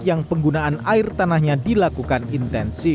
yang penggunaan air tanah yang berlebihan ini terjadi